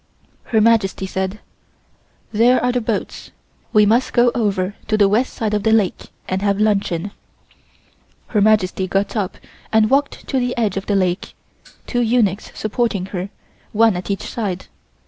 Her Majesty said: "There are the boats. We must go over to the west side of the lake and have luncheon." Her Majesty got up and walked to the edge of the lake, two eunuchs supporting her, one at each side.